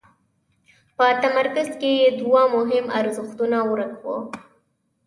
په تمرکز کې یې دوه مهم ارزښتونه ورک وو.